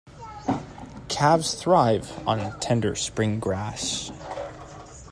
Calves thrive on tender spring grass.